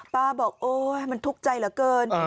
บอกโอ๊ยมันทุกข์ใจเหลือเกิน